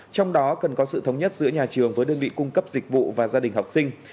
trong đó cần có sự thống nhất giữa nhà trường với đơn vị cung cấp dịch vụ và gia đình học sinh